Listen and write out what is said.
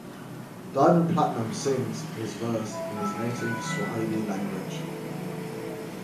Diamond Platnumz sings his verse in his native Swahili language.